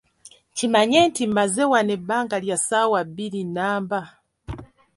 Kimanye nti mmaze wano ebbanga lya ssaawa bbiri nnamba.